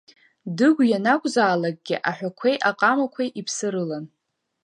Дыгә ианакәзаалакгьы аҳәақәеи аҟамақәеи иԥсы рылан.